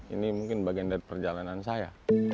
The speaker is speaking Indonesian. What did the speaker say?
ini mungkin bagian dari perjalanan saya